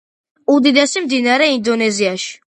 უდიდესი მდინარე ინდონეზიაში.